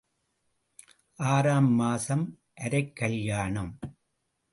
ஆறாம் மாசம் அரைக் கல்யாணம்.